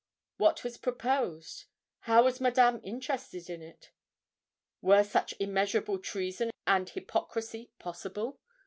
What was proposed? How was Madame interested in it? Were such immeasurable treason and hypocrisy possible?